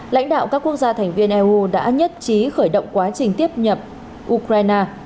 lãnh đạo các quốc gia thành viên eu đã nhất trí khởi động quá trình tiếp nhập ukraine